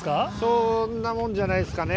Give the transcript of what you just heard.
そんなもんじゃないですかね。